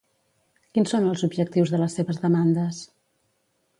Quins són els objectius de les seves demandes?